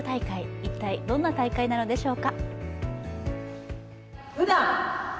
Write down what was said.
一体、どんな大会なのでしょうか。